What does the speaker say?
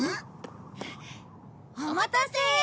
お待たせ！